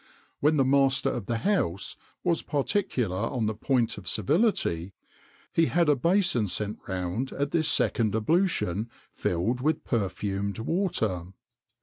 When the master of the house was particular on the point of civility, he had a bason sent round at this second ablution, filled with perfumed water.